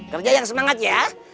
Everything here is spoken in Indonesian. kerja yang semangat ya